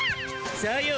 さよう。